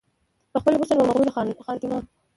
په خپل حسن وه مغروره خانتما وه